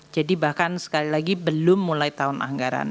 jadi bahkan sekali lagi belum mulai tahun anggaran